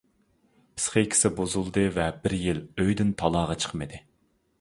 پىسخىكىسى بۇزۇلدى ۋە بىر يىل ئۆيدىن تالاغا چىقمىدى.